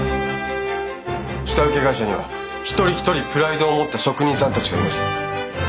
下請け会社には一人一人プライドを持った職人さんたちがいます。